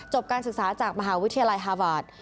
การศึกษาจากมหาวิทยาลัยฮาวาส